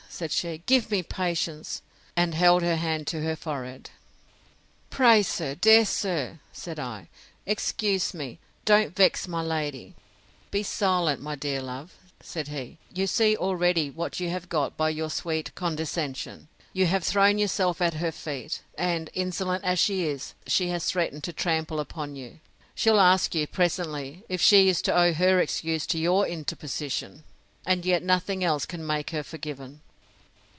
said she, give me patience! and held her hand to her forehead. Pray, sir, dear sir, said I, excuse me, don't vex my lady:—Be silent, my dear love, said he; you see already what you have got by your sweet condescension. You have thrown yourself at her feet, and, insolent as she is, she has threatened to trample upon you. She'll ask you, presently, if she is to owe her excuse to your interposition? and yet nothing else can make her forgiven.